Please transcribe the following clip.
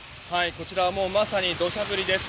こちらはもうまさに土砂降りです。